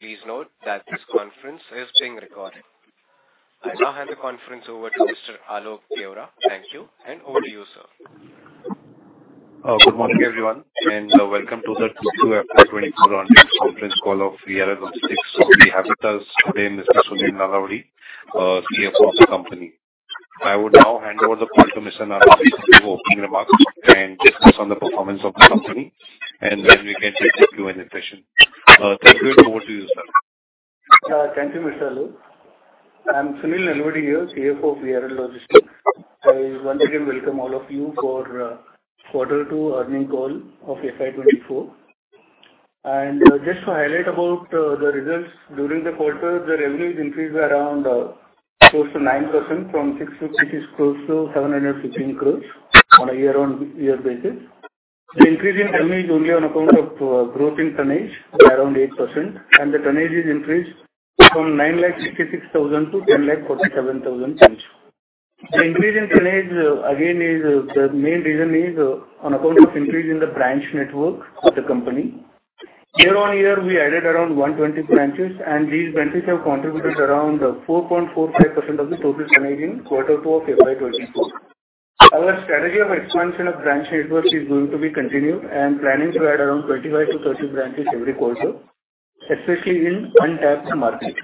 Please note that this conference is being recorded. I now hand the conference over to Mr. Alok Deora. Thank you, and over to you, sir. Good morning, everyone, and welcome to the Q2 FY24 earnings conference call of VRL Logistics. We have with us today, Mr. Sunil Nalavadi, CFO of the company. I would now hand over the call to Mr. Nalavadi to give opening remarks and discuss on the performance of the company, and then we can take Q&A session. Thank you, and over to you, sir. Thank you, Mr. Alok. I'm Sunil Nalavadi here, CFO of VRL Logistics. I once again welcome all of you for quarter two earnings call of FY 2024. Just to highlight about the results, during the quarter, the revenues increased by around close to 9% from 656 crores to 715 crores on a year-on-year basis. The increase in revenue is only on account of growth in tonnage by around 8%, and the tonnage is increased from 966,000 to 1,047,000 tons. The increase in tonnage again is the main reason on account of increase in the branch network of the company. Year-on-year, we added around 120 branches, and these branches have contributed around 4.45% of the total tonnage in quarter 2 of FY 2024. Our strategy of expansion of branch network is going to be continued and planning to add around 25-30 branches every quarter, especially in untapped market.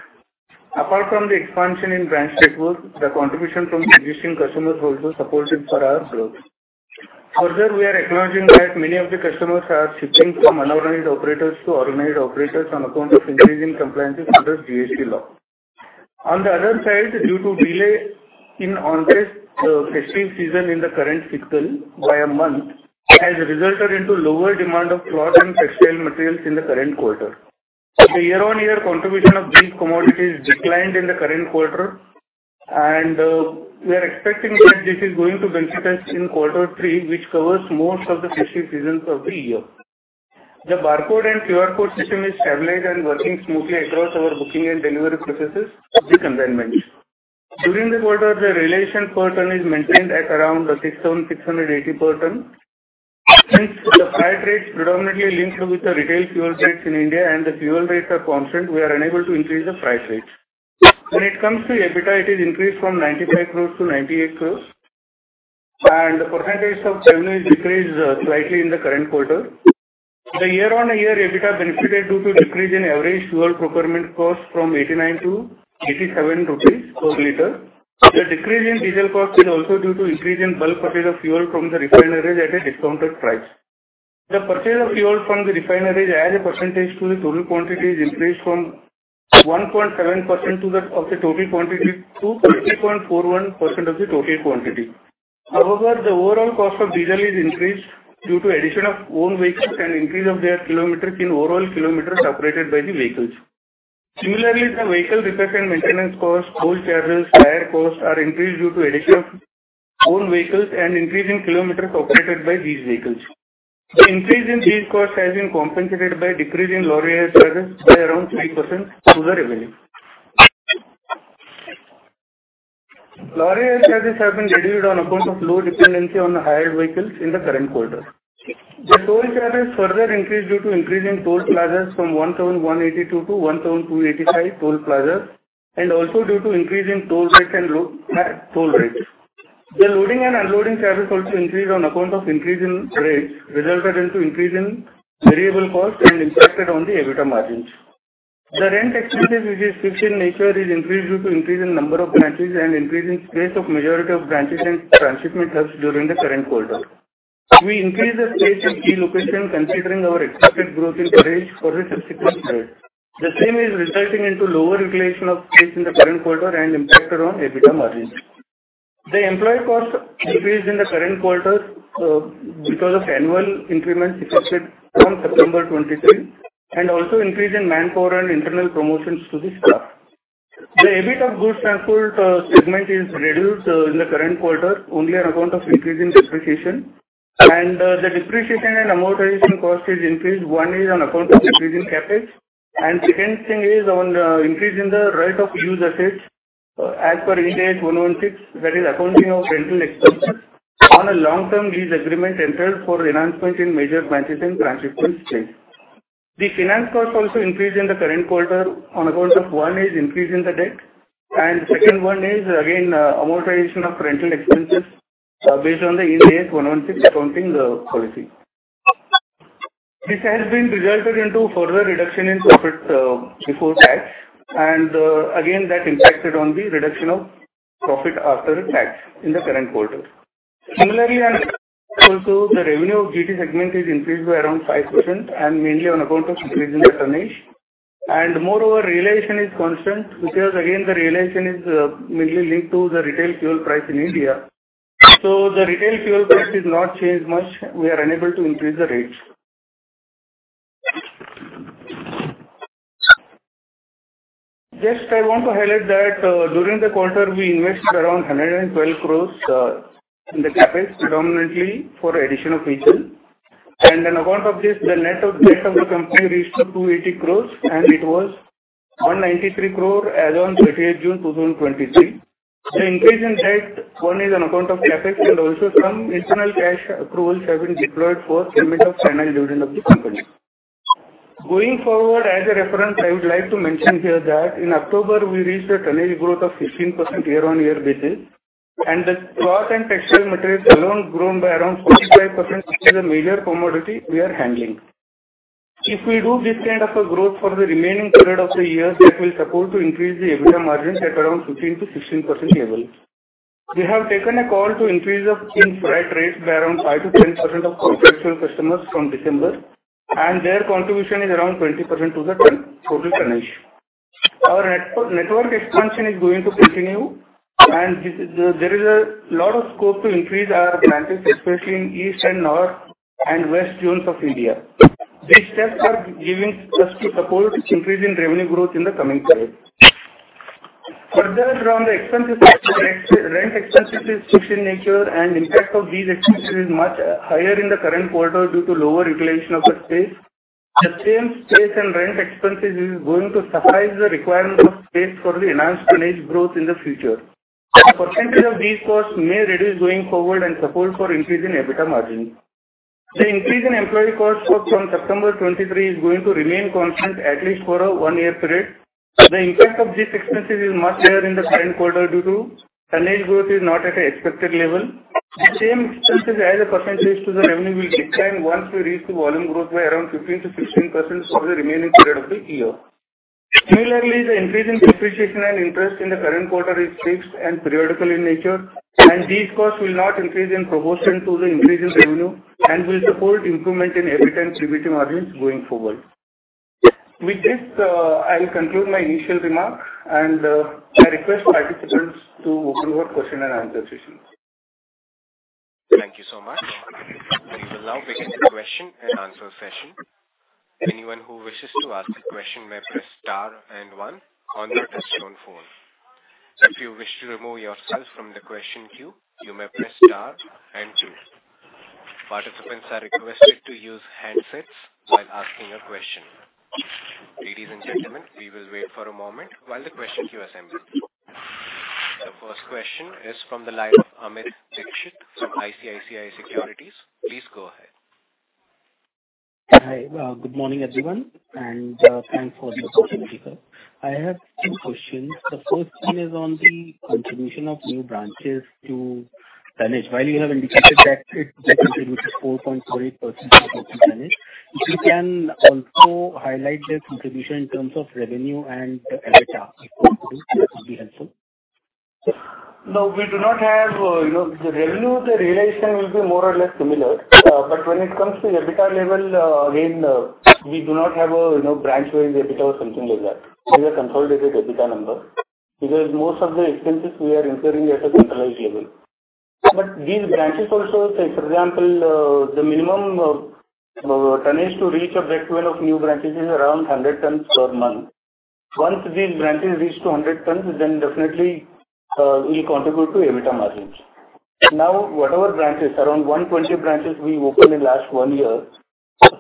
Apart from the expansion in branch network, the contribution from existing customers also supported for our growth. Further, we are acknowledging that many of the customers are shifting from unorganized operators to organized operators on account of increasing compliances under GST law. On the other side, due to delay in onset of festive season in the current fiscal by a month, has resulted into lower demand of cloth and textile materials in the current quarter. The year-on-year contribution of these commodities declined in the current quarter, and we are expecting that this is going to benefit us in quarter three, which covers most of the festive seasons of the year. The barcode and QR code system is stabilized and working smoothly across our booking and delivery processes of the consignment. During the quarter, the realization per ton is maintained at around 6,680 per ton. Since the higher rates predominantly linked with the retail fuel rates in India and the fuel rates are constant, we are unable to increase the price rates. When it comes to EBITDA, it is increased from 95 crore to 98 crore, and the percentage of revenue is decreased slightly in the current quarter. The year-on-year EBITDA benefited due to decrease in average fuel procurement cost from 89 to 87 rupees per liter. The decrease in diesel cost is also due to increase in bulk purchase of fuel from the refineries at a discounted price. The purchase of fuel from the refineries as a percentage of the total quantity is increased from 1.7% to 50.41% of the total quantity. However, the overall cost of diesel is increased due to addition of own vehicles and increase of their kilometers in overall kilometers operated by the vehicles. Similarly, the vehicle repair and maintenance costs, toll charges, hire costs are increased due to addition of own vehicles and increase in kilometers operated by these vehicles. The increase in these costs has been compensated by a decrease in lorry hire charges by around 3% to the revenue. Lorry hire charges have been reduced on account of low dependency on the hired vehicles in the current quarter. The toll charges further increased due to increase in toll plazas from 1,082 to 1,285 toll plazas, and also due to increase in toll rates and toll rates. The loading and unloading charges also increased on account of increase in rates, resulted into increase in variable costs and impacted on the EBITDA margins. The rent expenses, which is fixed in nature, is increased due to increase in number of branches and increase in space of majority of branches and transit hubs during the current quarter. We increased the space in key location, considering our expected growth in tonnage for the subsequent years. The same is resulting into lower utilization of space in the current quarter and impact around EBITDA margins. The employee cost increased in the current quarter, because of annual increments effective from September 2023, and also increase in manpower and internal promotions to the staff. The EBIT of goods transport segment is reduced in the current quarter, only on account of increase in depreciation. The depreciation and amortization cost is increased, one is on account of increase in capital, and second thing is on increase in the rate of right-of-use assets, as per Ind AS 116, that is, accounting of rental expenses on a long-term lease agreement entered for enhancement in major branches and transit points change. The finance cost also increased in the current quarter on account of, one is increase in the debt, and second one is, again, amortization of rental expenses, based on the Ind AS 116 accounting policy. This has resulted in further reduction in profit before tax, and again, that impacted the reduction of profit after tax in the current quarter. Similarly, also the revenue of GT segment is increased by around 5% and mainly on account of increase in the tonnage. And moreover, realization is constant, because again, the realization is mainly linked to the retail fuel price in India. So the retail fuel price has not changed much. We are unable to increase the rates. Just I want to highlight that, during the quarter, we invested around 112 crore in the capital, predominantly for addition of vehicles. And on account of this, the net debt of the company reached 280 crore, and it was 193 crore as on 30 June 2023. So increase in debt, one is on account of CapEx and also some internal cash approvals have been deployed for payment of final dividend of the company. Going forward, as a reference, I would like to mention here that in October we reached a tonnage growth of 15% year-on-year basis, and the cloth and textile materials alone grown by around 45%, which is a major commodity we are handling. If we do this kind of a growth for the remaining period of the year, that will support to increase the EBITDA margin at around 15%-16% level. We have taken a call to increase in freight rates by around 5%-10% of contractual customers from December, and their contribution is around 20% to the total tonnage. Our net, network expansion is going to continue, and this, there is a lot of scope to increase our branches, especially in East and North and West zones of India. These steps are giving us to support increase in revenue growth in the coming period. Further, from the expenses side, rent, rent expenses is fixed in nature and impact of these expenses is much higher in the current quarter due to lower utilization of the space. The same space and rent expenses is going to suffice the requirement of space for the enhanced tonnage growth in the future. The percentage of these costs may reduce going forward and support for increase in EBITDA margin. The increase in employee costs from September 2023 is going to remain constant at least for a one-year period. The impact of these expenses is much higher in the current quarter due to tonnage growth is not at an expected level. The same expenses as a percentage to the revenue will decline once we reach the volume growth by around 15%-16% for the remaining period of the year. Similarly, the increase in depreciation and interest in the current quarter is fixed and periodical in nature, and these costs will not increase in proportion to the increase in revenue and will support improvement in EBIT and EBITDA margins going forward. With this, I will conclude my initial remarks, and I request participants to open our question-and-answer session. Thank you so much. We will now begin the question-and-answer session. Anyone who wishes to ask a question may press star and one on your touchtone phone. If you wish to remove yourself from the question queue, you may press star and two. Participants are requested to use handsets while asking a question. Ladies and gentlemen, we will wait for a moment while the question queue assembles. The first question is from the line of Amit Dixit from ICICI Securities. Please go ahead. Hi, good morning, everyone, and, thanks for the opportunity. I have two questions. The first one is on the contribution of new branches to tonnage. While you have indicated that it contributes 4.48% to tonnage, if you can also highlight the contribution in terms of revenue and EBITDA, it would be helpful. No, we do not have, you know, the revenue, the realization will be more or less similar. But when it comes to EBITDA level, again, we do not have a, you know, branch-wide EBITDA or something like that. We have a consolidated EBITDA number, because most of the expenses we are incurring at a centralized level. But these branches also, say, for example, the minimum tonnage to reach a breakeven of new branches is around 100 tons per month. Once these branches reach to 100 tons, then definitely will contribute to EBITDA margins. Now, whatever branches, around 120 branches we opened in last one year,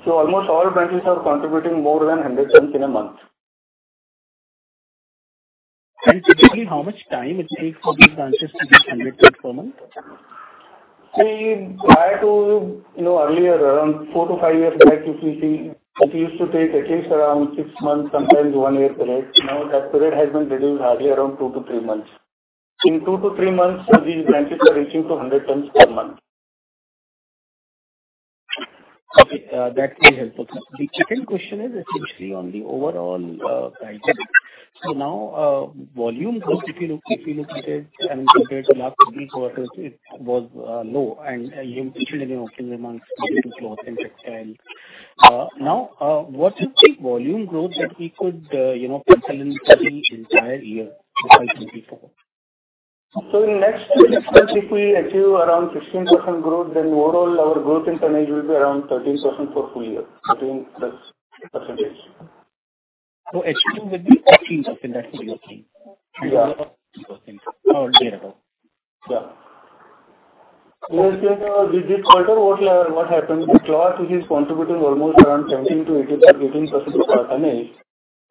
so almost all branches are contributing more than 100 tons in a month. Typically, how much time it takes for these branches to reach 100 tons per month? See, prior to, you know, earlier, around 4-5 years back, if you see, it used to take at least around 6 months, sometimes 1 year period. Now, that period has been reduced hardly around 2-3 months. In 2-3 months, these branches are reaching to 100 tons per month. Okay, that's very helpful. The second question is essentially on the overall, guidance. So now, volume growth, if you look, if you look at it and compare to last week quarters, it was, low, and you mentioned it in a few months due to cloth and textile. Now, what is the volume growth that we could, you know, expect in the entire year, 2024? In next quarter, if we achieve around 16% growth, then overall our growth in tonnage will be around 13% for full year, between plus percentage. Actually, it will be 13%, that's what you're saying? Yeah. 13%. Yeah. Yeah. In this quarter, what, what happened, the cloth, which is contributing almost around 17-18, 18% of our tonnage,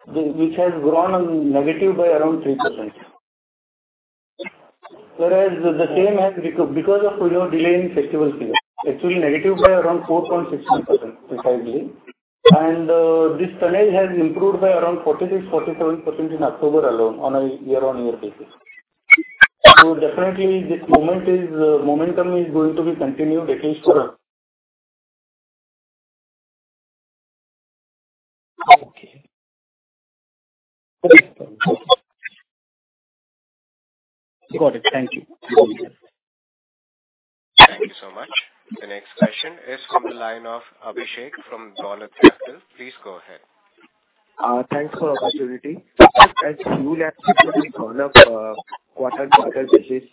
which has grown negatively by around 3%. Whereas the same, because, because of, you know, delay in festival season, actually negative by around 4.16%, precisely. And, this tonnage has improved by around 46-47% in October alone on a year-on-year basis. So definitely, this moment is, momentum is going to be continued at least for a- Okay. Got it. Thank you. Thank you so much. The next question is from the line of Abhishek from Dolat Capital. Please go ahead. Thanks for the opportunity. As you have seen on a quarter-to-quarter basis,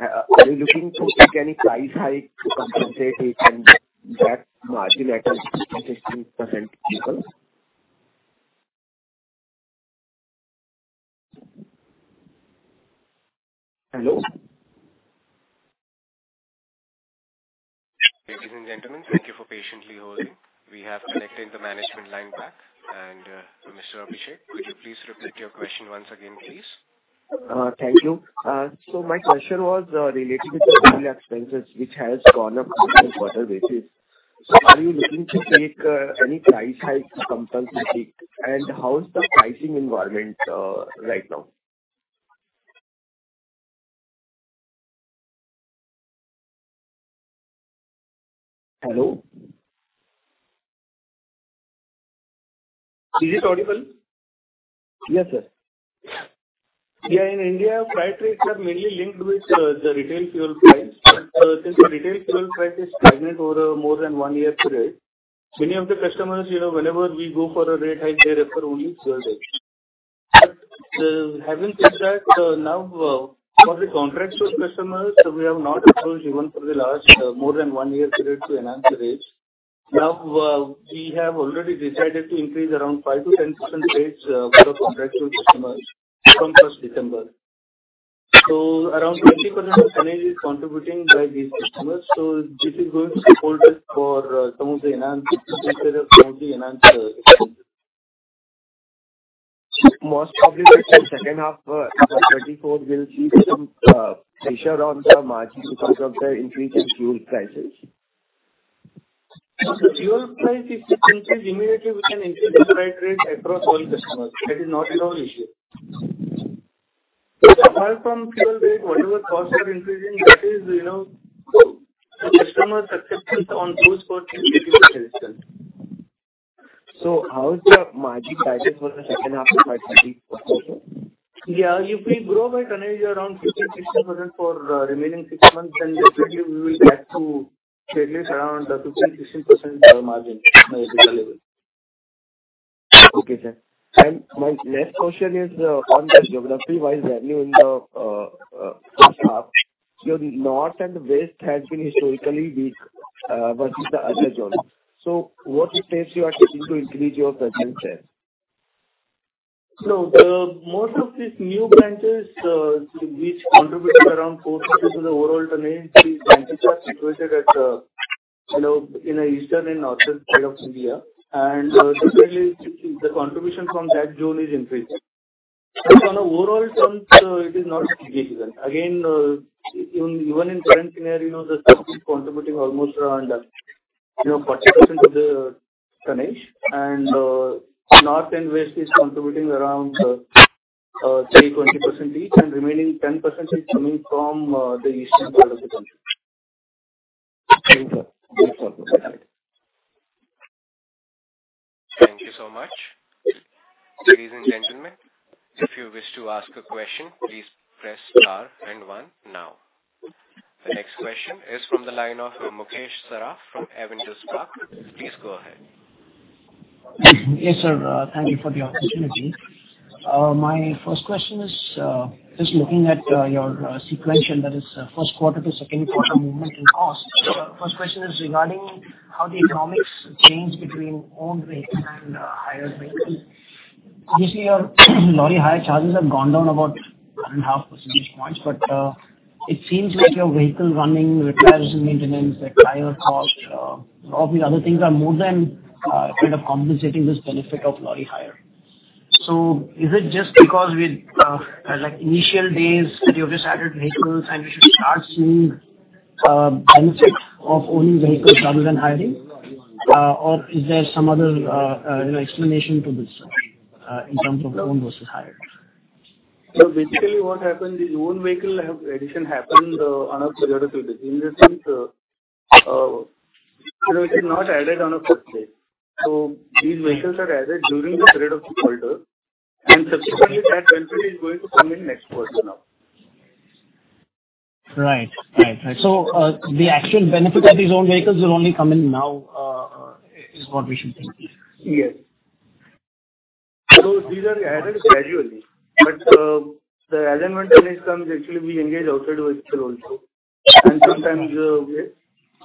are you looking to take any price hike to compensate it and that margin at a 16%? Hello? Ladies and gentlemen, thank you for patiently holding. We have connected the management line back. And, Mr. Abhishek, could you please repeat your question once again, please? Thank you. So my question was related to the expenses, which has gone up quarter basis. So are you looking to take any price hike compulsively? And how is the pricing environment right now? Hello? Is it audible? Yes, sir. Yeah, in India, freight rates are mainly linked with the retail fuel price. So since the retail fuel price is stagnant over more than one year period, many of the customers, you know, whenever we go for a rate hike, they refer only fuel rates. But having said that, now, for the contracts with customers, we have not approached even for the last more than one year period to enhance the rates. Now, we have already decided to increase around 5%-10% rates for the contractual customers from first December. So around 20% of tonnage is contributing by these customers, so this is going to support us for some of the enhancements instead of only enhance. Most probably by the second half of 2024, we'll see some pressure on the margins because of the increase in fuel prices. If the fuel price is increased, immediately we can increase the freight rate across all customers. That is not at all issue. Apart from fuel rate, whatever costs are increasing, that is, you know, customer acceptance on those parts is difficult itself. So how is the margin guidance for the second half of FY24 quarter? Yeah, if we grow by tonnage around 50%-60% for the remaining six months, then definitely we will get to at least around 50%-60% our margin level. Okay, sir. My next question is on the geography-wise value in the first half. Your north and west has been historically weak versus the other zones. What steps you are taking to increase your presence there? So the most of these new branches, which contribute around 40% to the overall tonnage, these branches are situated at, you know, in the eastern and northern side of India. And, definitely, the contribution from that zone is increasing. So on an overall terms, it is not significant. Again, even, even in current scenario, the south is contributing almost around, you know, 40% of the tonnage, and, north and west is contributing around, say, 20% each, and remaining 10% is coming from, the eastern part of the country. Thank you. Thank you so much. Ladies and gentlemen, if you wish to ask a question, please press Star and One now. The next question is from the line of Mukesh Saraf from Avendus Spark. Please go ahead. Yes, sir. Thank you for the opportunity. My first question is just looking at your sequential, that is, first quarter to second quarter movement in cost. First question is regarding how the economics change between owned rates and hired rates. This year, lorry hire charges have gone down about 1.5 percentage points, but it seems like your vehicle running, repairs, and maintenance, the tire cost, all these other things are more than kind of compensating this benefit of lorry hire. So is it just because with like initial days that you've just added vehicles and you should start seeing benefit of owning vehicles rather than hiring? Or is there some other you know, explanation to this in terms of own versus hired? So basically what happened is own vehicle have addition happened, on a period of the year. These are things, you know, it is not added on a first day. So these vehicles are added during the period of the quarter, and subsequently that benefit is going to come in next quarter now. Right. Right, right. So, the actual benefit of these own vehicles will only come in now, is what we should think? Yes. So these are added gradually, but as and when tonnage comes, actually, we engage outside vehicle also. And sometimes,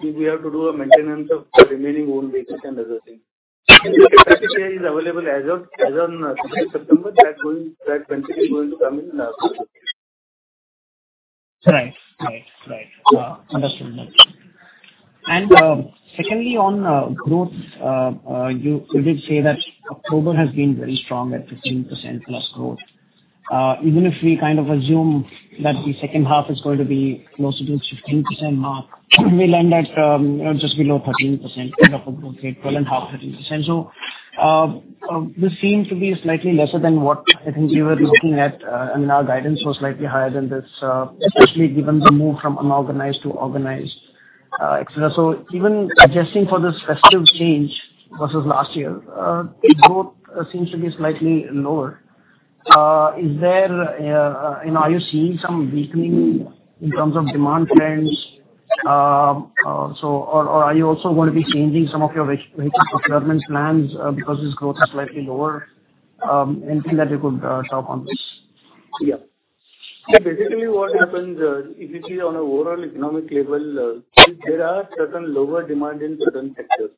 we have to do a maintenance of the remaining own vehicles and other things. The capacity is available as of, as on September, that going, that benefit is going to come in the next quarter. Right. Right. Right. Understood. And, secondly, on growth, you did say that October has been very strong at 15%+ growth. Even if we kind of assume that the second half is going to be closer to the 15% mark, we land at, you know, just below 13%, end of October, 12.5, 13%. So, this seems to be slightly lesser than what I think we were looking at. I mean, our guidance was slightly higher than this, especially given the move from unorganized to organized, etc. So even adjusting for this festive change versus last year, growth, seems to be slightly lower. Is there, you know, are you seeing some weakening in terms of demand trends? So, are you also going to be changing some of your vehicle procurement plans because this growth is slightly lower? Anything that you could talk on this? Yeah. So basically what happens, if you see on an overall economic level, there are certain lower demand in certain sectors.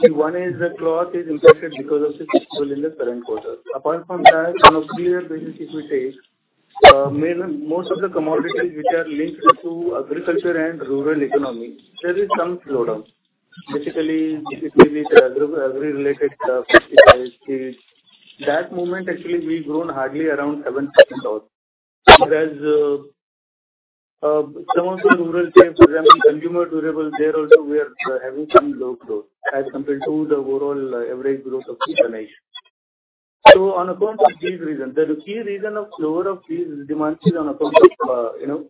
See, one is the cloth is impacted because of the festival in the current quarter. Apart from that, on a clear basis, if we take, main, most of the commodities which are linked to agriculture and rural economy, there is some slowdown. Basically, it will be every related stuff, at the moment, actually, we've grown hardly around 7,000. Whereas, some of the rural areas, for example, consumer durables, there also we are having some low growth as compared to the overall average growth of tonnage. So on account of these reasons, the key reason of slower of these demands is on account of, you know,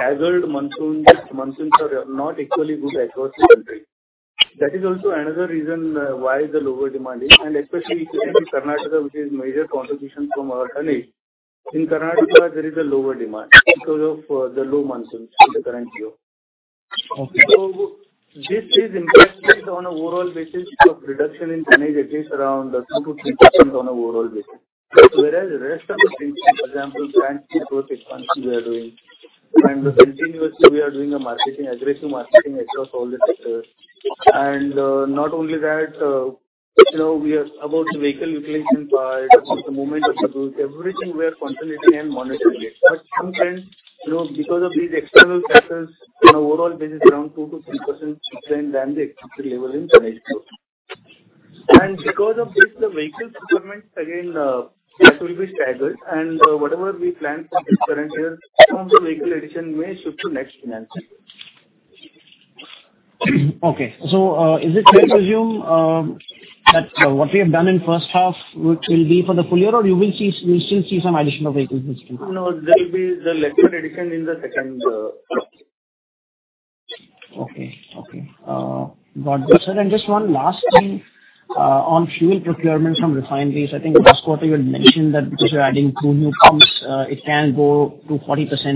erratic monsoons. Monsoons are not actually good across the country. That is also another reason why the lower demand is, and especially if you see Karnataka, which is major contribution from our tonnage. In Karnataka, there is a lower demand because of the low monsoons in the current year. Okay. So this is impacted on an overall basis of reduction in tonnage, at least around 2%-3% on an overall basis. Whereas the rest of the things, for example, plant growth expansion we are doing, and continuously we are doing a marketing, aggressive marketing across all the sectors. And, not only that, you know, we are about the vehicle utilization part, about the movement of the goods, everything we are consolidating and monitoring it. But sometimes, you know, because of these external factors, on overall basis, around 2%-3% less than the expected level in tonnage. And because of this, the vehicle procurement, again, that will be staggered, and whatever we plan for this current year, some of the vehicle addition may shift to next financial year. Okay. So, is it fair to assume that what we have done in first half, which will be for the full year, or you will see, we'll still see some addition of vehicles this year? No, there will be the lesser addition in the second... Okay. Okay. Got it, sir. And just one last thing, on fuel procurement from refineries. I think last quarter you had mentioned that because you're adding two new pumps, it can go to 40%+. Yeah.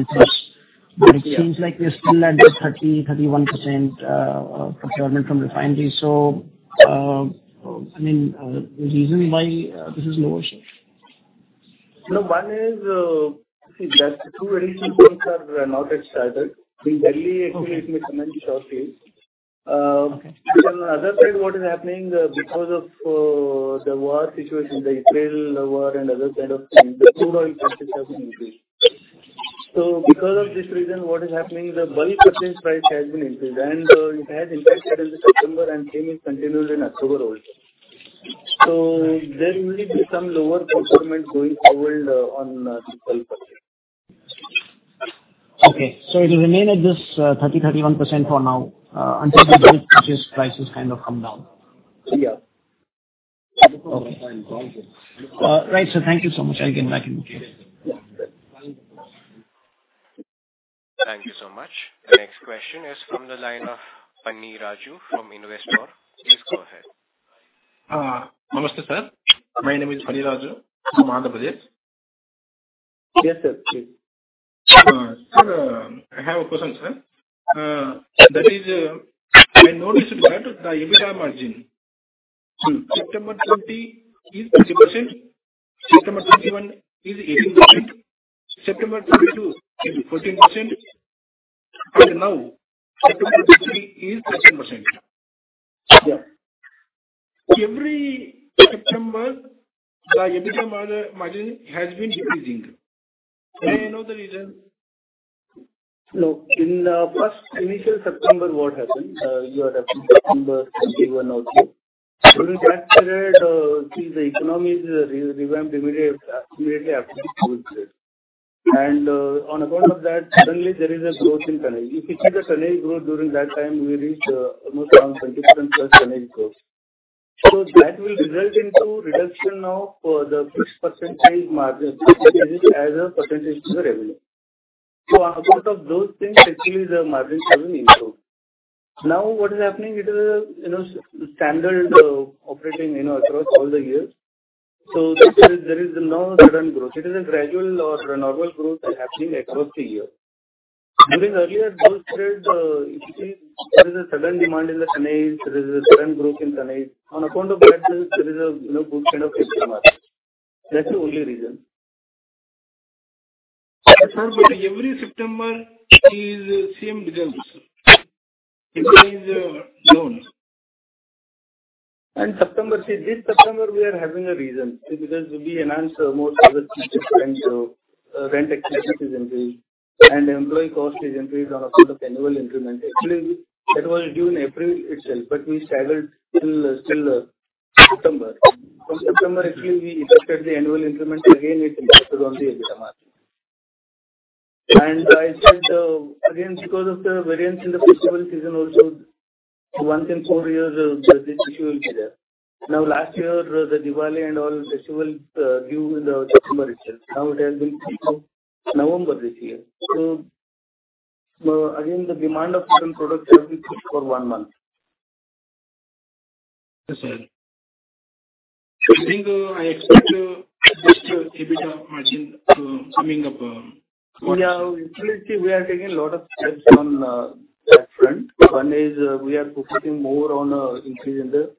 But it seems like we're still at the 30%-31% procurement from refinery. So, I mean, the reason why this is lower, sir? No, one is, see, that two additional pumps are not yet started. In Delhi- Okay. Actually, it may commence shortly. But on the other side, what is happening, because of the war situation, the Israel war and other kind of things, the crude oil prices have been increased. So because of this reason, what is happening, the bulk percentage price has been increased, and it has impacted in the September, and same is continued in October also. So there will be some lower procurement going forward, on the bulk purchase. Okay. So it will remain at this 30-31% for now until the purchase prices kind of come down? Yeah. Okay. Thank you. Right, sir. Thank you so much. I'll get back in case. Yeah. Thank you so much. The next question is from the line of from investor. Please go ahead. Namaste, sir. My name is from Andhra Pradesh. Yes, sir. Please. Sir, I have a question, sir. That is, I noticed that the EBITDA margin, September 2020 is 30%, September 2021 is 18%, September 2022 is 14%, and now September 2023 is 13%. Yeah. Every September, the EBITDA margin has been decreasing. May I know the reason? No. In the first initial September, what happened? You are asking September 2021 also. During that period, see, the economy revamped immediately, immediately after the COVID period. And, on account of that, suddenly there is a growth in tonnage. If you see the tonnage growth during that time, we reached, almost around 20%+ tonnage growth. So that will result into reduction of, the fixed percentage margin, as a percentage to the revenue. So on account of those things, actually, the margins have been improved. Now, what is happening? It is, you know, standard, operating, you know, across all the years. So there is, there is no sudden growth. It is a gradual or a normal growth happening across the year. I mean, earlier those period, you see, there is a sudden demand in the tonnage, there is a sudden growth in tonnage. On account of that, there is a, you know, good kind of EBITDA margin. That's the only reason. Sir, but every September is same results. It is low. September, see, this September, we are having a reason, because we enhanced most of the rent, so, rent actually is increased, and employee cost is increased on account of annual increment. Actually, that was due in April itself, but we staggered till September. From September, actually, we adjusted the annual increment, again, it impacted on the EBITDA margin. And I said, again, because of the variance in the festival season also, once in four years, this issue will be there. Now, last year, the Diwali and all festivals, due in the October itself. Now it has been shifted November this year. So, again, the demand of certain products has been fixed for one month. Yes, sir. I think, I expect, just EBITDA margin, coming up, Yeah, actually, see, we are taking a lot of steps on that front. One is, we are focusing more on increase in the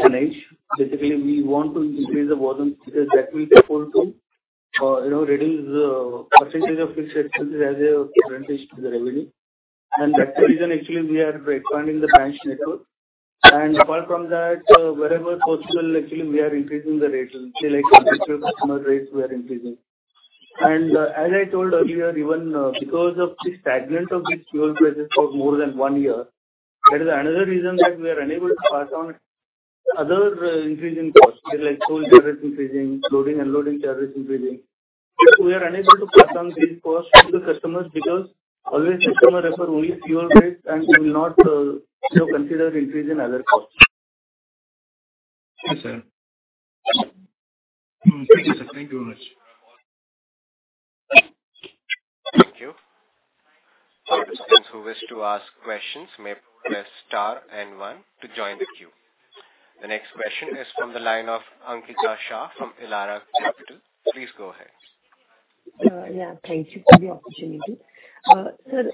tonnage. Basically, we want to increase the volume because that will be able to, you know, reduce the percentage of fixed actually, as a percentage to the revenue. And that's the reason, actually, we are expanding the branch network. And apart from that, wherever possible, actually, we are increasing the rates. Say, like, individual customer rates, we are increasing. And, as I told earlier, even, because of the stagnant of these fuel prices for more than one year, that is another reason that we are unable to pass on other, increase in cost. Like toll charges increasing, loading, unloading charges increasing. We are unable to pass on these costs to the customers because always customer refer only fuel rates and will not, you know, consider increase in other costs. Yes, sir. Thank you, sir. Thank you very much. Thank you. Participants who wish to ask questions may press star and one to join the queue. The next question is from the line of Ankita Shah, from Elara Capital. Please go ahead. Yeah, thank you for the opportunity. Sir,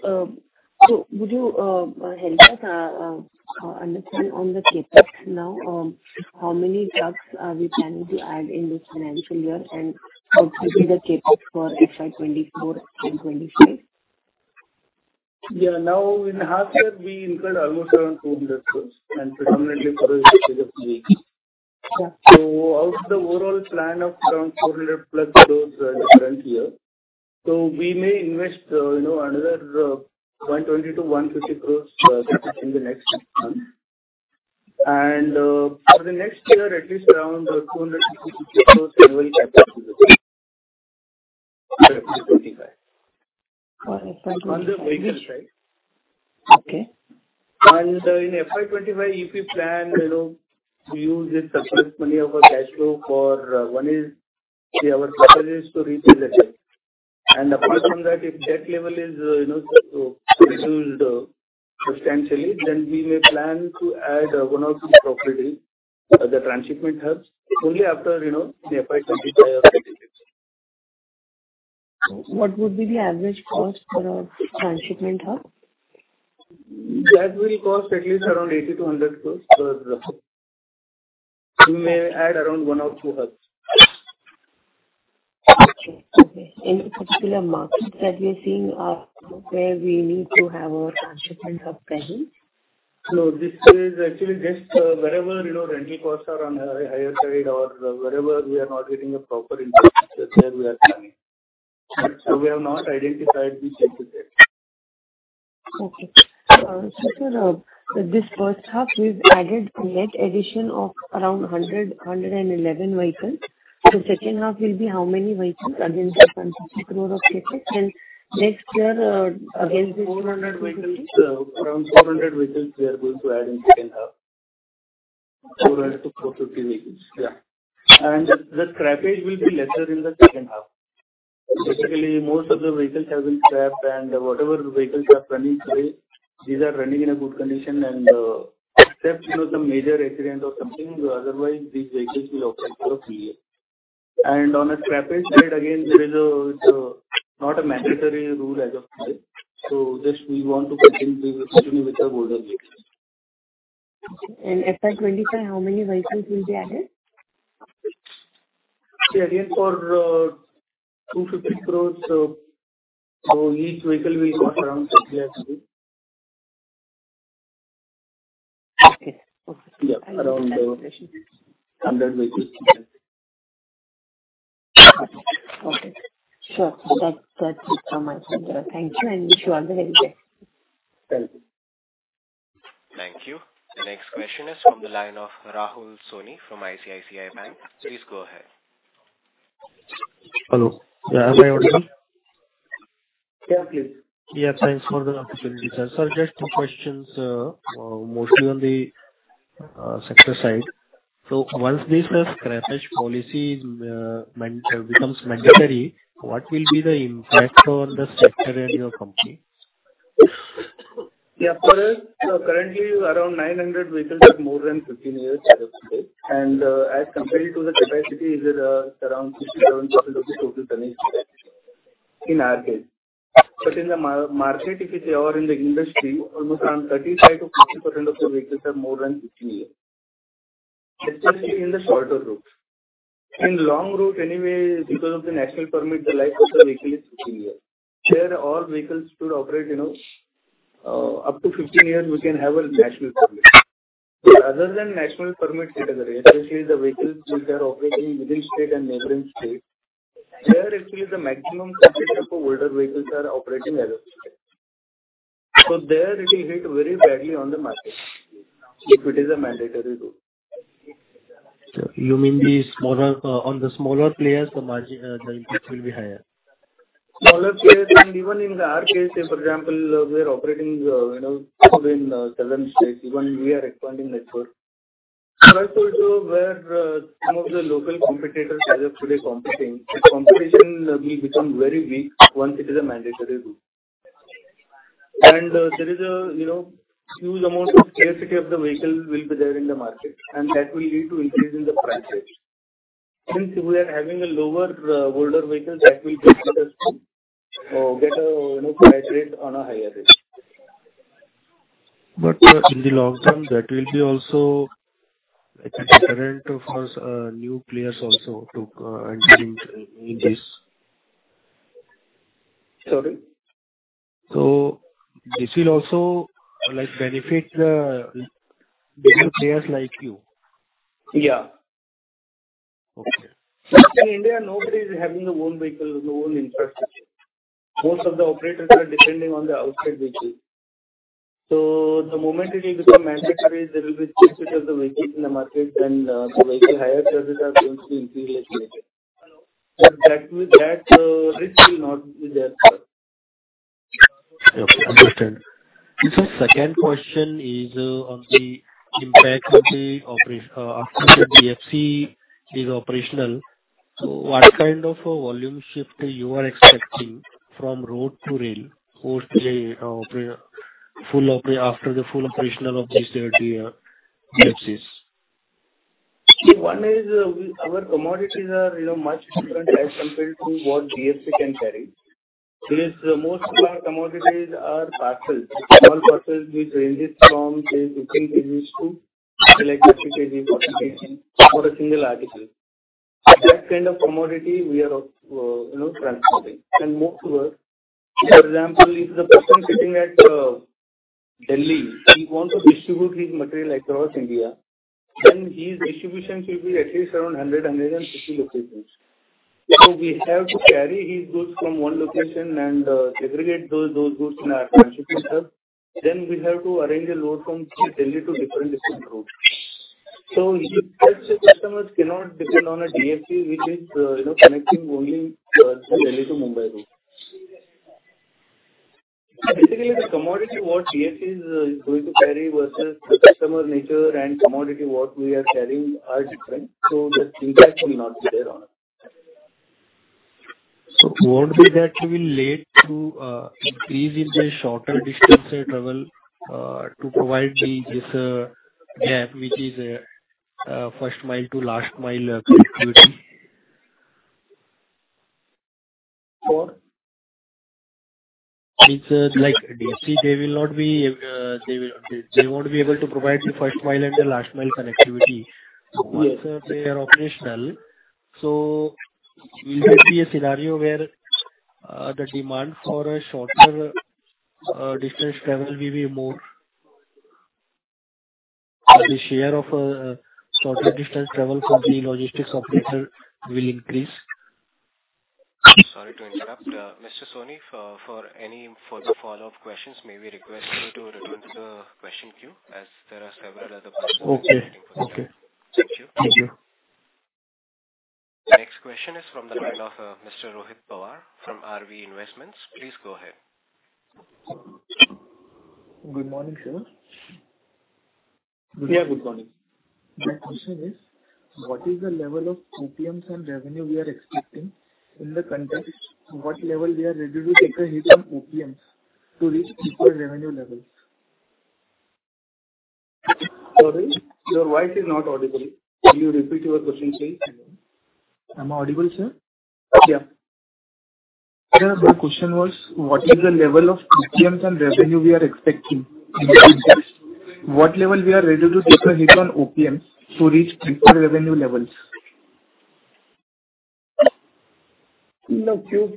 so would you help us understand on the CapEx now, how many trucks are we planning to add in this financial year, and how could be the CapEx for FY24 and FY25? Yeah, now in half year, we incurred almost around INR 200 crore and predominantly for Yeah. Out of the overall plan of around 400+ crores, current year, so we may invest, you know, another 120-150 crores Capex in the next month. For the next year, at least around 250 crores annual Capex. For FY25. On the vehicles, right? Okay. In FY25, if we plan, you know, to use the surplus money of our cash flow for, one is, see, our focus is to repay the debt. Apart from that, if debt level is, you know, reduced substantially, then we may plan to add, one or two properties, the transshipment hubs, only after, you know, the FY25. What would be the average cost for a transshipment hub? That will cost at least around 80-100 crores per hub. We may add around one or two hubs. Okay. Any particular markets that we are seeing where we need to have a transshipment hub present? This is actually just, wherever, you know, rental costs are on the higher side or wherever we are not getting a proper input, there we are coming. We have not identified this yet. Okay. So sir, this first half, we've added net addition of around 111 vehicles. The second half will be how many vehicles against the INR 100 crore of Capex, and next year against the- 400 vehicles. Around 400 vehicles we are going to add in second half. 400 to 450 vehicles, yeah. And the scrappage will be lesser in the second half. Basically, most of the vehicles have been scrapped and whatever vehicles are running today, these are running in a good condition, and except, you know, some major accident or something, otherwise, these vehicles will operate for a few years. And on a scrappage side, again, there is a not a mandatory rule as of today, so just we want to continue with our older vehicles. FY25, how many vehicles will be added? See, again, for 250 crore, so each vehicle will cost around 30 lakh rupees. Okay. Yeah, around 100 vehicles. Okay. Sure. That, that's it from my side. Thank you, and wish you all the very best. Thank you. Thank you. The next question is from the line of Rahul Soni from ICICI Bank. Please go ahead. Hello. Yeah, am I audible? Yeah, please. Yeah, thanks for the opportunity, sir. Sir, just two questions, mostly on the sector side. So once this scrappage policy becomes mandatory, what will be the impact on the sector and your company? Yeah, for us, currently around 900 vehicles have more than 15 years as of today. And, as compared to the capacity, it is, around 67% of the total tonnage, in our case. But in the market, if iin the industry, almost around 35%-50% of the vehicles are more than 15 years, especially in the shorter routes. In long route, anyway, because of the National Permit, the life of the vehicle is 15 years. There all vehicles could operate, you know, up to 15 years, we can have a National Permit. Other than National Permit category, especially the vehicles which are operating within state and neighboring state, there actually the maximum percentage of older vehicles are operating as of today. So there it will hit very badly on the market, if it is a mandatory rule. So you mean the smaller, on the smaller players, the margin, the impact will be higher? Smaller players, and even in our case, say, for example, we're operating, you know, within southern states, even we are expanding network. So as I told you, where some of the local competitors as of today competing, the competition will become very weak once it is a mandatory rule. And there is a, you know, huge amount of scarcity of the vehicle will be there in the market, and that will lead to increase in the price range. Since we are having a lower older vehicle, that will get us a, you know, price rate on a higher range.... in the long term, that will be also like a deterrent for us new players also to enter into this. Sorry? This will also, like, benefit the bigger players like you? Yeah. Okay. In India, nobody is having their own vehicle, their own infrastructure. Most of the operators are depending on the outside vehicle. So the moment it will become mandatory, there will be scarcity of the vehicle in the market, and the vehicle hire charges are going to increase later. But that, with that, risk will not be there, sir. Okay, understood. Sir, second question is on the impact after the DFC is operational, so what kind of a volume shift you are expecting from road to rail post the full operational of this DFCs? One is, we, our commodities are, you know, much different as compared to what DFC can carry. Because most of our commodities are parcels. Small parcels, which ranges from, say, booking business to electricity distribution for a single article. That kind of commodity we are, you know, transporting. And moreover, for example, if the person sitting at Delhi wants to distribute his material across India, then his distribution should be at least around 100-150 locations. So we have to carry his goods from one location and segregate those goods in our distribution center. Then we have to arrange a load from Delhi to different routes. So such customers cannot depend on a DFC, which is, you know, connecting only Delhi to Mumbai route. Basically, the commodity what DFC is going to carry versus the customer nature and commodity what we are carrying are different, so the impact will not be there on it. So, won't be that you will lead to increase in the shorter distance travel to provide this gap, which is first mile to last mile connectivity? For? It's like DFC, they will not be able to provide the first mile and the last mile connectivity. Yes. Once they are operational, so will there be a scenario where the demand for a shorter distance travel will be more? Or the share of shorter distance travel from the logistics operator will increase? Sorry to interrupt. Mr. Soni, for any further follow-up questions, may we request you to return to the question queue, as there are several other questions? Okay. Okay. Thank you. Thank you. Next question is from the line of Mr. Rohit Pawar, from RB Investments. Please go ahead. Good morning, sir. Yeah, good morning. My question is, what is the level of OPMs and revenue we are expecting in the context, what level we are ready to take a hit on OPMs to reach higher revenue levels? Sorry, your voice is not audible. Can you repeat your question, please? Am I audible, sir? Yeah. Sir, my question was, what is the level of OPMs and revenue we are expecting in the context? What level we are ready to take a hit on OPM to reach people revenue levels? No, two.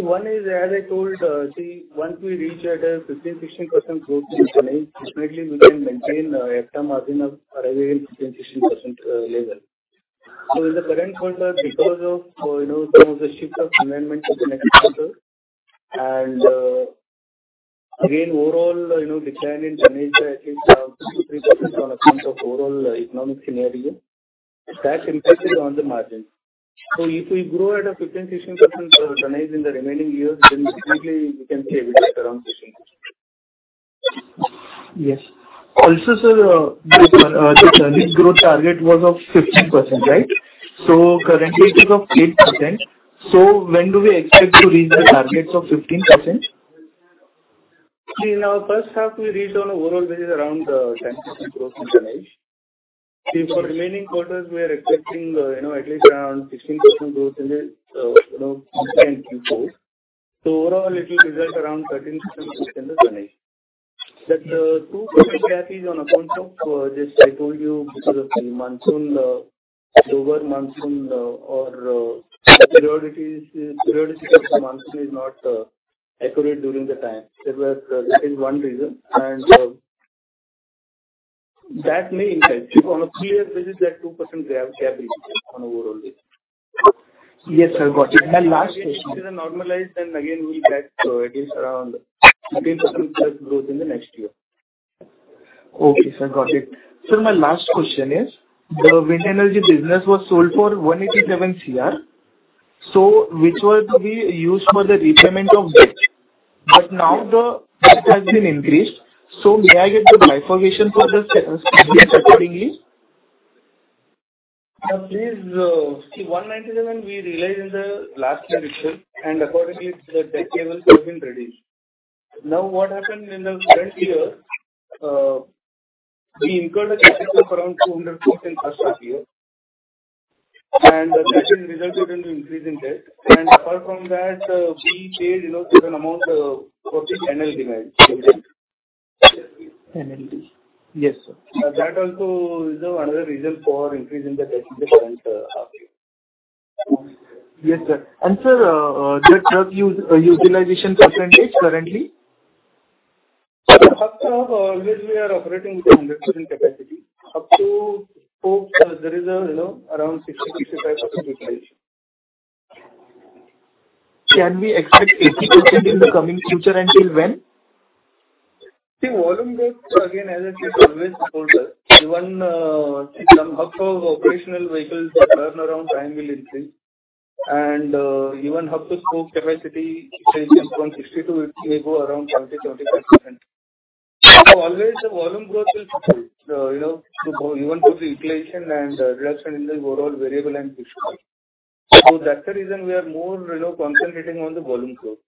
One is, as I told, see, once we reach at a 15%-16% growth in tonnage, immediately we can maintain EBITDA margin of around 15%-16% level. So in the current quarter, because of, you know, some of the shift of consignment to the next quarter, and again, overall, you know, decline in tonnage, at least 2%-3% on account of overall economic scenario, that impacted on the margin. So if we grow at a 15%-16% tonnage in the remaining years, then immediately we can say it is around 16%. Yes. Also, sir, the tonnage growth target was of 15%, right? So currently it is of 8%. So when do we expect to reach the target of 15%? See, now, first half we reached on overall, which is around 10% growth in tonnage. See, for remaining quarters, we are expecting, you know, at least around 16% growth in the, you know, current Q4. So overall, it will result around 13% growth in the tonnage. That 2% gap is on account of this, I told you, because of the monsoon, over monsoon, or periodicities, periodicity of the monsoon is not accurate during the time. There was this is one reason, and that may impact you. On a clear basis, that 2% gap is on overall. Yes, I got it. My last question-... If it is normalized, then again, we'll get at least around 13% growth in the next year. Okay, sir, got it. Sir, my last question is: the wind energy business was sold for 187 crore, so which was to be used for the repayment of debt. But now the debt has been increased, so may I get the bifurcation for the debt accordingly? Please, see, 197, we realized in the last financial, and accordingly, the debt levels have been reduced. Now, what happened in the current year, we incurred a debt of around 240 rupees in current year and the collection results into increase in debt. And apart from that, we paid, you know, certain amount for the [NL demand]. NL. Yes, sir. That also is another reason for increase in the debt in the current half year. Yes, sir. Sir, the truck utilization percentage currently? Sir, half of always we are operating with 100% capacity. Up to 4, there is a, you know, around 60%-65% utilization. Can we expect 80% in the coming future, and till when? See, volume growth, again, as I said, always supports us. Even if some hub for operational vehicles, the turnaround time will increase. And even hub to spoke capacity, if it is from 60 to 80, it may go around 20%-25%. So always the volume growth will support, you know, to go even to the utilization and reduction in the overall variable and fixed cost. So that's the reason we are more, you know, concentrating on the volume growth.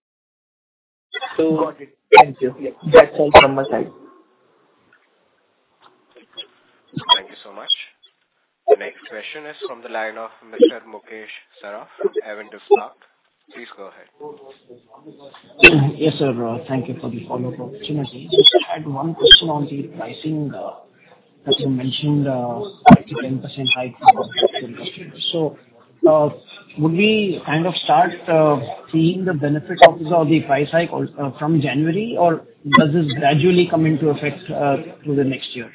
Thank you. Yeah. That's all from my side. Thank you so much. The next question is from the line of Mr. Mukesh Saraf, Avendus Spark. Please go ahead. Yes, sir. Thank you for the follow-up opportunity. Just had one question on the pricing. As you mentioned, 10% hike. So, would we kind of start seeing the benefit of this, or the price hike all from January, or does this gradually come into effect through the next year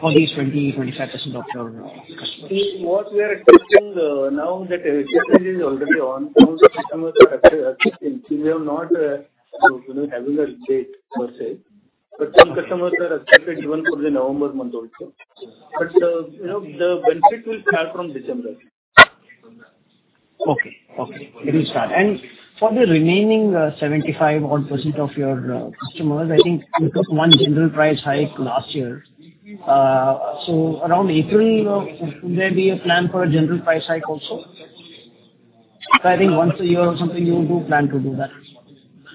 for these 20-25% of your customers? See, what we are expecting, now that this is already on, some customers are accepting. We have not, you know, having a date per se, but some customers are accepted even for the November month also. But, you know, the benefit will start from December. Okay. Okay, it will start. And for the remaining, 75-odd% of your customers, I think you took one general price hike last year. So around April, you know, could there be a plan for a general price hike also? So I think once a year or something, you do plan to do that.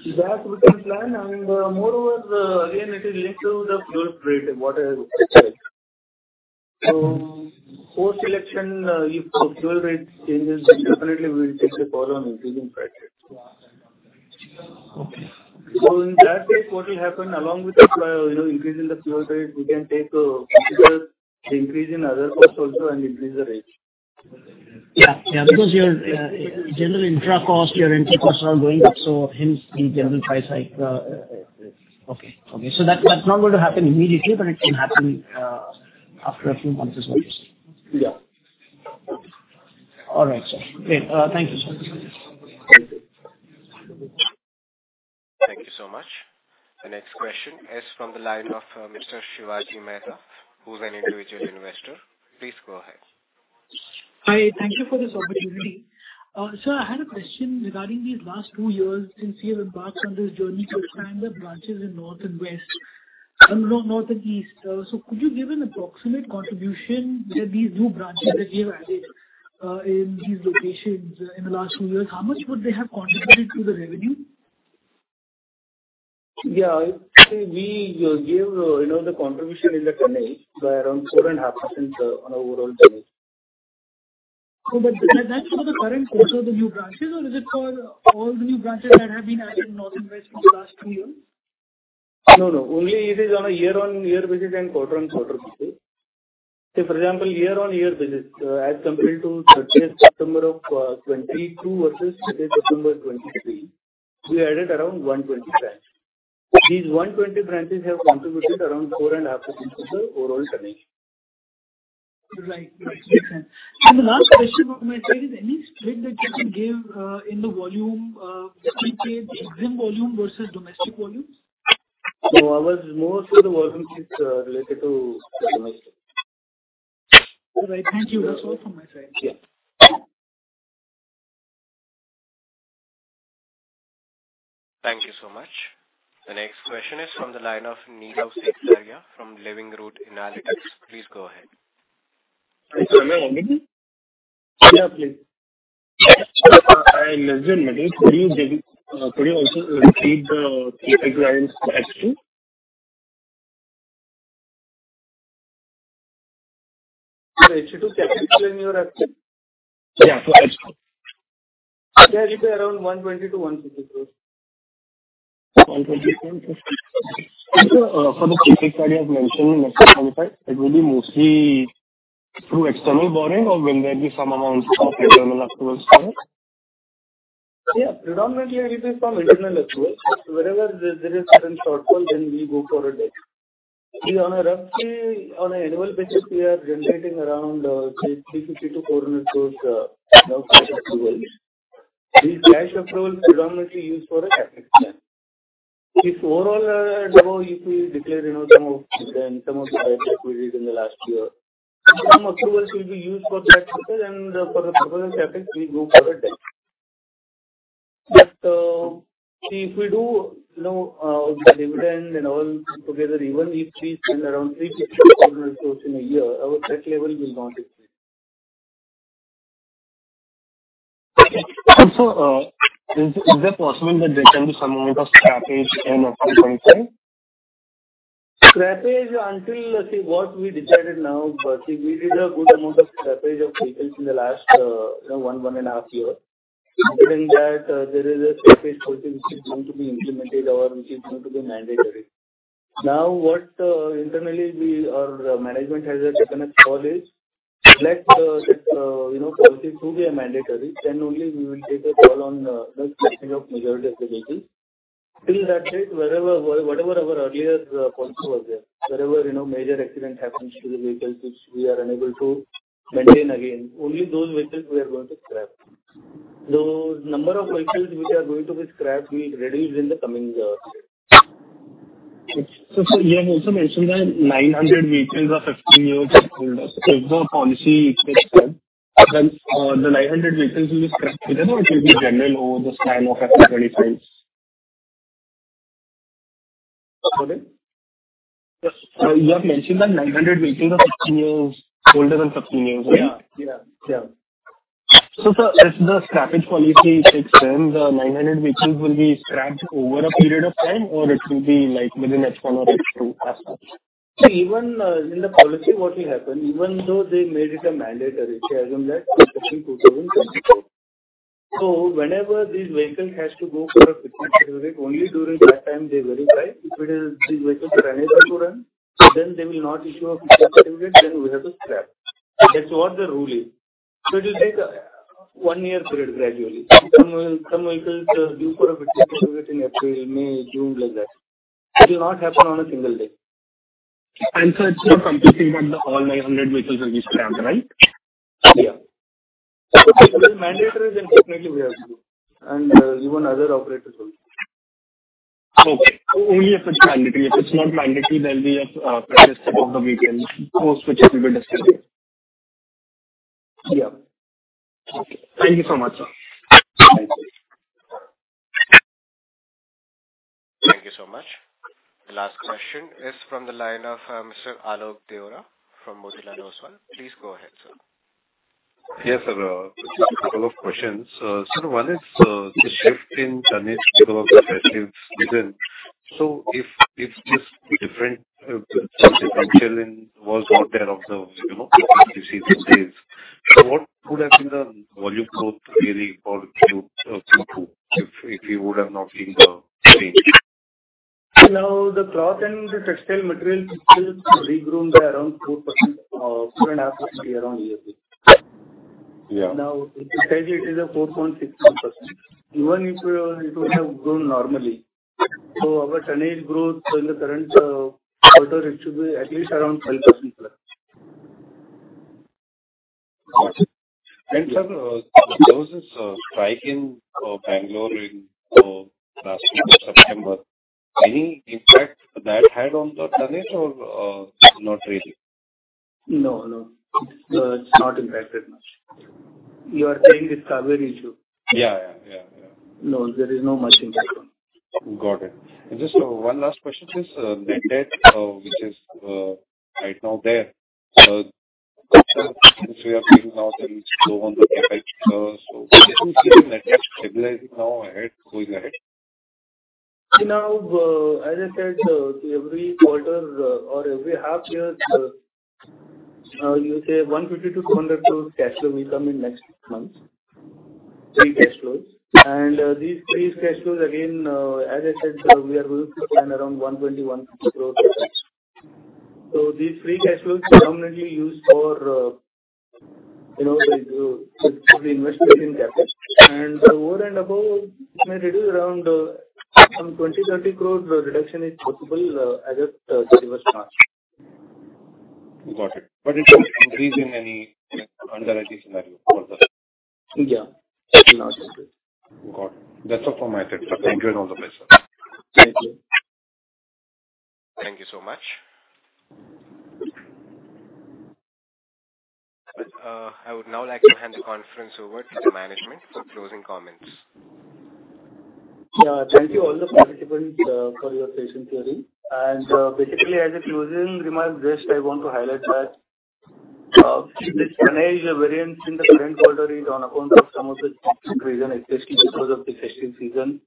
That we can plan, and, moreover, again, it is linked to the fuel rate and what is the price. So post-election, if the fuel rate changes, definitely we will take a call on increasing price. Okay. So, in that case, what will happen along with the, you know, increase in the fuel rate? We can consider the increase in other costs also and increase the rate. Yeah, yeah, because your, general intra cost, your intra costs are going up, so hence the general price hike. Okay. Okay, so that, that's not going to happen immediately, but it can happen, after a few months as well. Yeah. All right, sir. Great. Thank you, sir. Thank you so much. The next question is from the line of Mr. Shivaji Mehta, who's an individual investor. Please go ahead. Hi, thank you for this opportunity. Sir, I had a question regarding these last two years since you have embarked on this journey to expand the branches in north and west, and north and east. So could you give an approximate contribution that these new branches that you've added in these locations in the last two years, how much would they have contributed to the revenue? Yeah, we gave, you know, the contribution in the tonnage by around 4.5%, on overall tonnage. Is that for the current quarter, the new branches, or is it for all the new branches that have been added in North and West in the last two years? No, no, only it is on a year-on-year basis and quarter-on-quarter basis. Say, for example, year-on-year basis, as compared to 30 September of 2022 versus 30 September 2023, we added around 120 branches. These 120 branches have contributed around 4.5% to the overall tonnage. Right. Right. Makes sense. And the last question from my side, is any split that you can give, in the volume, GK, the exim volume versus domestic volumes? No, I was more so the volume is related to domestic. All right. Thank you. That's all from my side. Yeah. Thank you so much. The next question is from the line of Nirav Seksaria, from Living Root Analytics. Please go ahead. Sorry, Nirav, can you hear me? Yeah, please. I listened, Nirav. Could you then, could you also repeat the three requirements actually? Can you explain your question? Yeah, so I... Yeah, it is around 120-150 crores. 120 crore. Okay. For the CapEx that you have mentioned in the next 25, it will be mostly through external borrowing, or will there be some amount of internal accruals for it? Yeah, predominantly it is from internal accruals. Wherever there is certain shortfall, then we go for debt. See, roughly, on an annual basis, we are generating around 350-400 crores of cash accruals. These cash accruals predominantly used for a CapEx plan. If overall, if we declare, you know, some of the, some of the profit we did in the last year, some accruals will be used for CapEx, and for the purpose of CapEx, we go for debt. But, see, if we do, you know, the dividend and all together, even if we spend around 300-400 crores in a year, our debt level will not increase. Is it possible that there can be some amount of scrappage in at some point in time? Scrappage until, see, what we decided now, but we did a good amount of scrappage of vehicles in the last 1.5 years. During that, there is a scrappage policy which is going to be implemented or which is going to be mandatory. Now, what, internally we, our management has taken a call is, let, you know, policy to be a mandatory, then only we will take a call on, the scrappage of majority of the vehicles. Till that date, wherever, whatever our earlier policy was there, wherever, you know, major accident happens to the vehicles, which we are unable to maintain again, only those vehicles we are going to scrap. Those number of vehicles which are going to be scrapped, will reduce in the coming years. You have also mentioned that 900 vehicles are 15 years older. If the policy takes then, the 900 vehicles will be scrapped, or it will be general over the span of 25? Got it. You have mentioned that 900 vehicles are 15 years older than 15 years, right? Yeah. Yeah. Yeah. So, sir, if the scrappage policy takes in, the 900 vehicles will be scrapped over a period of time, or it will be like within H1 or H2 as such? So even in the policy, what will happen, even though they made it mandatory, as on that March 20, 2024. So whenever this vehicle has to go for a Fitness Certificate, only during that time they verify. If it is, this vehicle unable to run, then they will not issue a Fitness Certificate, then we have to scrap. That's what the rule is. So it will take one year period, gradually. Some vehicles due for a Fitness Certificate in April, May, June, like that. It will not happen on a single day. It's not completing that all 900 vehicles will be scrapped, right? Yeah. It is mandatory, then definitely we have to, and even other operators also. Okay. Only if it's mandatory. If it's not mandatory, then we have set of the vehicles, those which will be discarded. Yeah. Okay. Thank you so much, sir. Thank you. Thank you so much. The last question is from the line of, Mr. Alok Deora from Motilal Oswal. Please go ahead, sir. Yes, sir. Just a couple of questions. Sir, one is the shift in tonnage because of the festive season. So if this different challenge was not there of the, you know, you see these days, so what would have been the volume growth really for Q2, if we would have not seen the change? Now, the cloth and the textile material is still grown by around 4%, 4.5% [year-over-year] Yeah. Now, it is 4.6%. Even if it would have grown normally, so our tonnage growth in the current quarter, it should be at least around 12%+. Got it. And sir, there was a strike in Bangalore in last September. Any impact that had on the tonnage or not really? No, no, it's not impacted much. You are saying this Cauvery issue? Yeah, yeah, yeah, yeah. No, there is not much impact on. Got it. Just one last question is, net debt, which is, right now there, which we are seeing now will go on the effect. So net debt stabilizing now ahead, going ahead? Now, as I said, every quarter, or every half year, you say 150-200 crore cash flow will come in next month, free cash flows. And, these free cash flows, again, as I said, we are going to plan around 120-150 crore. So these free cash flows predominantly used for, you know, the investment in capital. And over and above, it may reduce around, some 20-30 crore reduction is possible, as a reverse margin. Got it. But it doesn't increase under any scenario for the- Yeah, it will not increase. Got it. That's all for my side, sir. Thank you, and all the best, sir. Thank you. Thank you so much. I would now like to hand the conference over to the management for closing comments. Yeah, thank you all the participants for your patient hearing. Basically, as a closing remark, just I want to highlight that this variance in the current quarter is on account of some of the reason, especially because of the festive season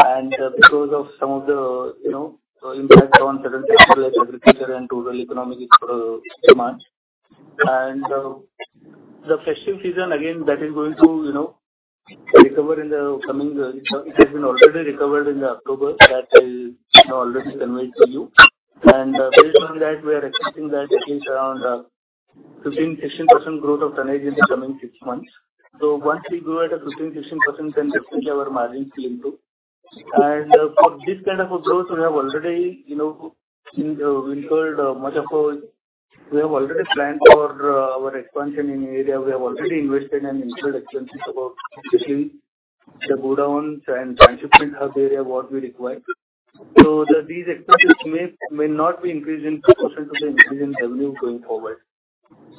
and because of some of the, you know, impact on certain agriculture and total economic for a month. The festive season, again, that is going to, you know, recover in the coming... It has been already recovered in October, that is already conveyed to you. Based on that, we are expecting that at least around 15% to 16% growth of tonnage in the coming six months. So once we grow at a 15% to 16%, then definitely our margins will improve. And for this kind of a growth, we have already, you know, planned for our expansion in area. We have already invested and incurred expenses about especially the godown and transportation hub area, what we require. So these expenses may not be increased in proportion to the increase in revenue going forward.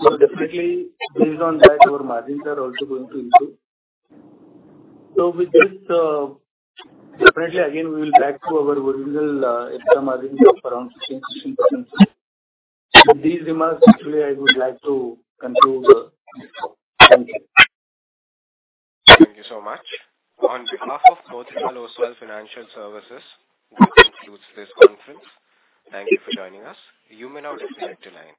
So definitely, based on that, our margins are also going to improve. So with this, definitely, again, we will back to our around 16%. So these remarks, actually, I would like to conclude. Thank you. Thank you so much. On behalf of Motilal Oswal Financial Services, this concludes this conference. Thank you for joining us. You may now disconnect the line.